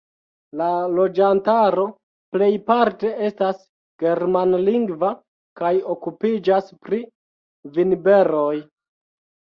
La loĝantaro plejparte estas germanlingva kaj okupiĝas pri vinberoj.